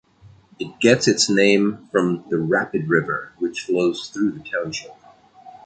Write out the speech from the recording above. It gets its name from the Rapid River which flows through the township.